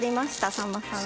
さんまさんの。